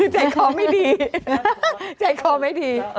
ใจคอไม่ดี